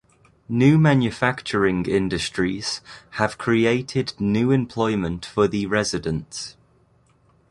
New manufacturing industries have created new employment for the residents.